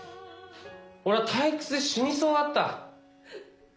俺は退屈で死にそうだった。